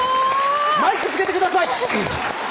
マイクつけてください！